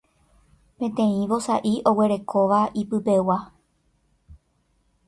peteĩ vosa'i oguerekóva ipypegua